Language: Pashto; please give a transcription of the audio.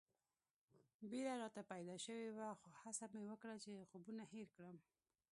بېره راته پیدا شوې وه خو هڅه مې وکړه چې خوبونه هېر کړم.